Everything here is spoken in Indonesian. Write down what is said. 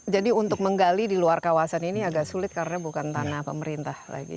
jadi untuk menggali di luar kawasan ini agak sulit karena bukan tanah pemerintah lagi